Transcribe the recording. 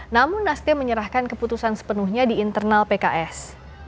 namun nasdem menyerahkan keputusan sepenuhnya di internal pks